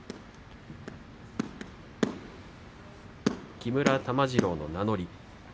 木村玉治郎の名乗り。